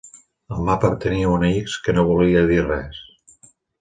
El mapa tenia una X que no volia dir res.